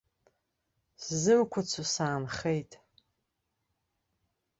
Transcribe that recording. Сзымқәацо саанхеит.